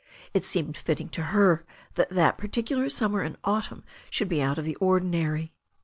It seemed fitting to her that that particular summer and autumn should be out of the ordinary.